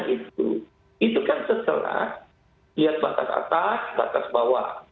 itu itu kan setelah lihat batas atas batas bawah